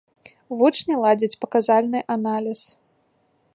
Вучні ладзяць паказальны аналіз.